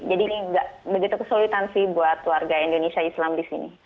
jadi ini nggak begitu kesulitan sih buat warga indonesia islam di sini